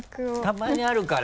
たまにあるから。